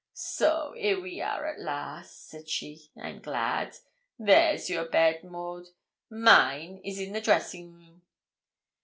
'So 'ere we are at last!' said she; 'I'm glad. There's your bed, Maud. Mine is in the dressing room.'